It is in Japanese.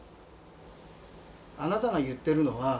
あなたが言ってるのは。